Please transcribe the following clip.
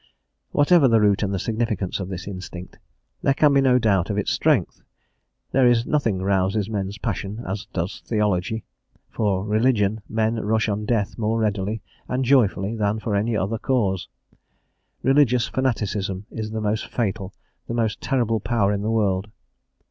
Whatever the root and the significance of this instinct, there can be no doubt of its strength; there is nothing rouses men's passions as does theology; for religion men rush on death more readily and joyfully than* for any other cause; religious fanaticism is the most fatal, the most terrible power in the world.